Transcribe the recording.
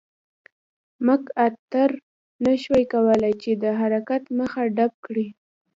مک ارتر نه شوای کولای چې د حرکت مخه ډپ کړي.